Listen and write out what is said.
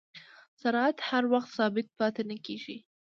سرعت هر وخت ثابت پاتې نه کېږي.